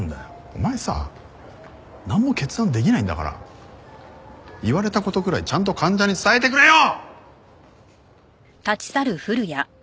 お前さなんも決断できないんだから言われた事くらいちゃんと患者に伝えてくれよ！！